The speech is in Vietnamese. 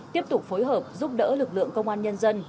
tiếp tục phối hợp giúp đỡ lực lượng công an nhân dân